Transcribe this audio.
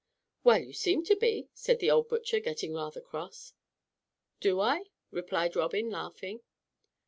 "Well, you seem to be," said the old butcher, getting rather cross. "Do I?" replied Robin, laughing.